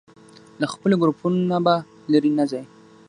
له خپلو ګروپونو نه به لرې نه ځئ.